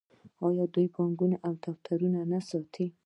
آیا دوی بانکونه او دفترونه نه ساتي؟